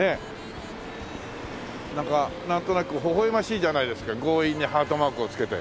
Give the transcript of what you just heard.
なんかなんとなくほほ笑ましいじゃないですか強引にハートマークをつけて。